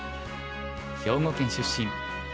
兵庫県出身